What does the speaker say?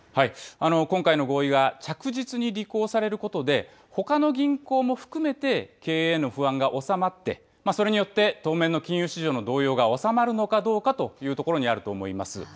今回の合意が着実に履行されることで、ほかの銀行も含めて経営への不安が収まって、それによって、当面の金融市場の動揺が収まるのかどうかというところにあるかと思います。